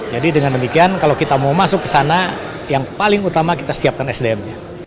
jadi dengan demikian kalau kita mau masuk ke sana yang paling utama kita siapkan sdm